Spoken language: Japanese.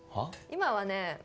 今はね